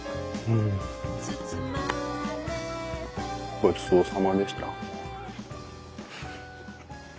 ごちそうさまでした。